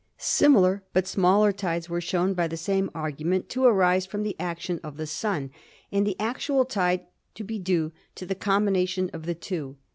Similar but smaller tides were shown by the same argu ment to arise from the action of the Sun and the actual tide to be due to the combination of the two.